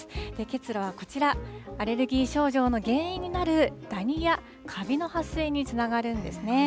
結露はこちら、アレルギー症状の原因になるダニやカビの発生につながるんですね。